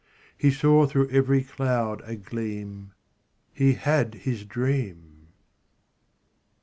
He saw through every cloud a gleam He had his dream.